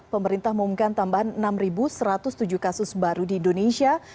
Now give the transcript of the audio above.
pemerintah mengumumkan tambahan enam satu ratus tujuh kasus baru di indonesia